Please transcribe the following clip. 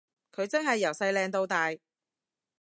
佢真係由細靚到大